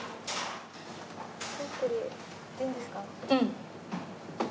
うん。